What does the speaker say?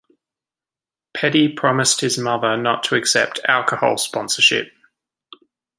Petty promised his mother not to accept alcohol sponsorship.